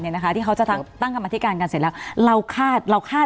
นะคะที่เขาจะตั้งกรรมธิการกันเสร็จแล้วเราคาดเราคาด